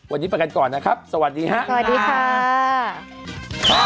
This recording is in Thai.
วันนี้ไปกันก่อนนะครับสวัสดีค่ะ